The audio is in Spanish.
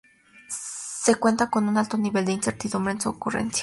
Se cuenta con un alto nivel de incertidumbre en su ocurrencia.